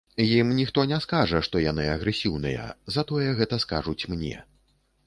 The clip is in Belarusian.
Ім ніхто не скажа, што яны агрэсіўныя, затое гэта скажуць мне.